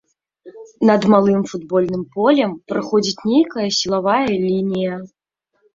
Над малым футбольным полем праходзіць нейкая сілавая лінія.